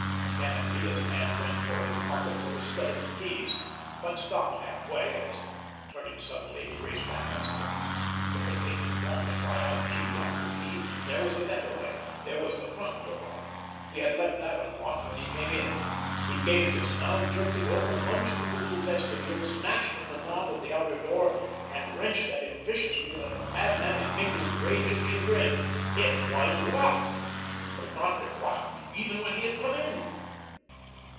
Mechanically his hand went toward his pocket for his skeleton keys, but stopped halfway as, turning suddenly, he raced back upstairs. It would take too long to try out key after key. There was a better way. There was the front door. He had left that unlocked when he came in. He gained this now, jerked it open, lunged through the little vestibule, snatched at the knob of the outer door—and wrenched at it viciously like a madman in mingled rage and chagrin. It was locked! It had not been locked even when he had come in!